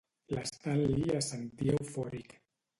L'Stanley es sentia eufòric.